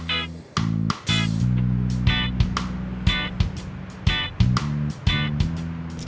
kamu sendiri gimana